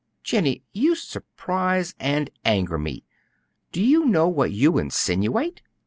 "Jennie, you surprise and anger me. Do you know what you insinuate?"